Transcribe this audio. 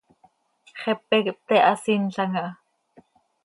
Xepe quih pte hasinlam aha.